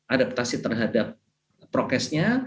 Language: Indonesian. adaptasi terhadap prokesnya